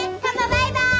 バイバイ。